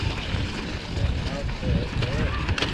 مني ھڻاوي تو او ڪرو